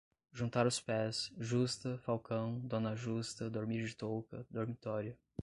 juntar os pés, justa, falcão, dona justa, dormir de touca, dormitório